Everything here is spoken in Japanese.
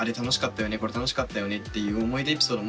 これ楽しかったよね」っていう思い出エピソード